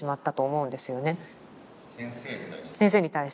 先生に対して。